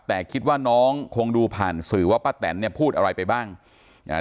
แต่คิดว่าน้องคงดูผ่านสื่อว่าป้าแตนเนี่ยพูดอะไรไปบ้างอ่า